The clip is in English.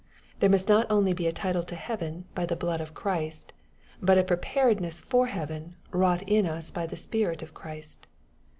There must not only be a title to heaven by the blood of Christ, but a preparedness for heaven wrought in us by the Spirit of Christ.